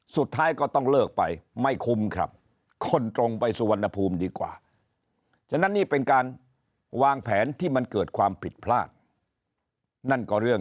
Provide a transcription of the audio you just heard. สุดท้ายก็ต้องเลิกไปไม่คุ้มครับคลนตรงไปสุวรรณภูมิดีกว่า